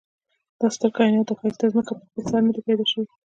دا ستر کاينات دا ښايسته ځمکه په خپل سر ندي پيدا شوي